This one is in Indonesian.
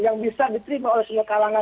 yang bisa diterima oleh semua kalangan